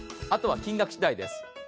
あとは金額次第です。